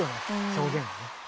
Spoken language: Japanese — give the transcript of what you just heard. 表現はね。